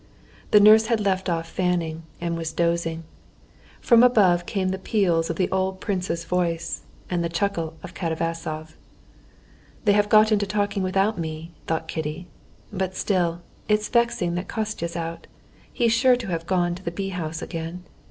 The nurse had left off fanning, and was dozing. From above came the peals of the old prince's voice, and the chuckle of Katavasov. "They have got into talk without me," thought Kitty, "but still it's vexing that Kostya's out. He's sure to have gone to the bee house again.